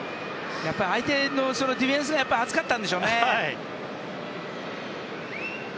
相手のディフェンスが厚かったんでしょうね。